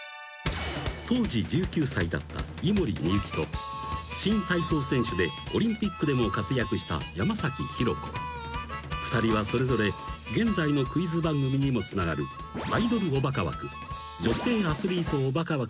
［当時１９歳だった井森美幸と新体操選手でオリンピックでも活躍した山浩子］［２人はそれぞれ現在のクイズ番組にもつながるアイドルおバカ枠女性アスリートおバカ枠を確立］